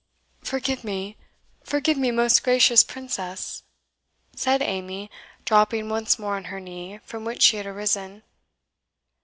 "Forgive me forgive me, most gracious Princess!" said Amy, dropping once more on her knee, from which she had arisen.